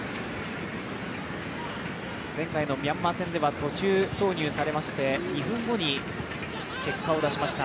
前回のミャンマー戦では途中投入されまして、２分後に結果を出しました。